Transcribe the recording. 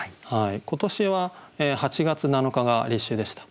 今年は８月７日が立秋でした。